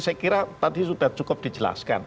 saya kira tadi sudah cukup dijelaskan